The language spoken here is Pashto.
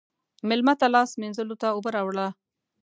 مېلمه ته لاس مینځلو ته اوبه راوله.